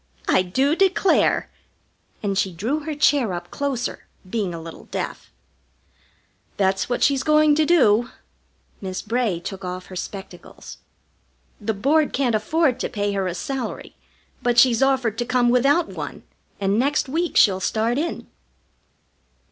I do declare!" And she drew her chair up closer, being a little deaf. "That's what she's going to do." Miss Bray took off her spectacles. "The Board can't afford to pay her a salary, but she's offered to come without one, and next week she'll start in."